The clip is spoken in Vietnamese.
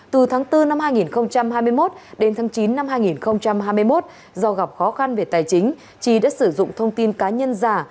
từ tháng bốn năm hai nghìn hai mươi một đến tháng chín năm hai nghìn hai mươi một do gặp khó khăn về tài chính trí đã sử dụng thông tin cá nhân giả